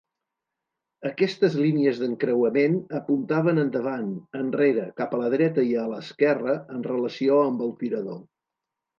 Aquestes línies d'encreuament apuntaven endavant, enrere, cap a la dreta i a l'esquerra, en relació amb el tirador.